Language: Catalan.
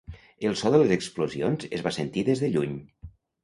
El so de les explosions es va sentir des de lluny.